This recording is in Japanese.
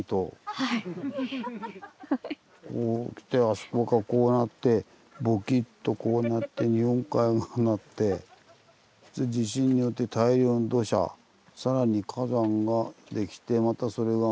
こうきてあそこがこうなってボキッとこうなって日本海がああなって地震によって大量の土砂さらに火山ができてまたそれが埋まる。